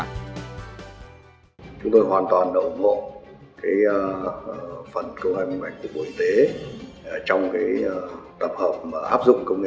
chúng tôi hoàn toàn ủng hộ phần công an minh bạch của bộ y tế trong tập hợp áp dụng công nghệ bốn